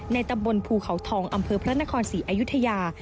ตำบลภูเขาทองอำเภอพระนครศรีอยุธยา